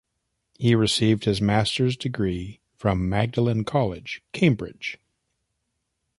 He received his Master's degree from Magdalene College, Cambridge.